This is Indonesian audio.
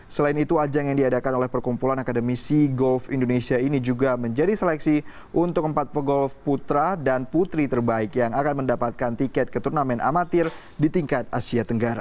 selain itu ajang yang diadakan oleh perkumpulan akademisi golf indonesia ini juga menjadi seleksi untuk empat pegolf putra dan putri terbaik yang akan mendapatkan tiket ke turnamen amatir di tingkat asia tenggara